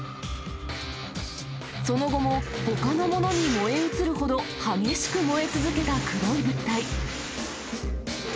その後もほかのものに燃え移るほど激しく燃え続けた黒い物体。